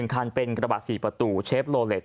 คันเป็นกระบะ๔ประตูเชฟโลเล็ต